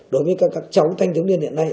đối với các cháu thanh tướng điện hiện nay